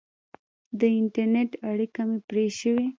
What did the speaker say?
د انټرنېټ اړیکه مې پرې شوې.